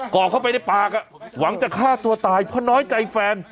อกเข้าไปในปากหวังจะฆ่าตัวตายเพราะน้อยใจแฟน